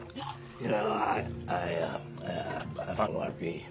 いや。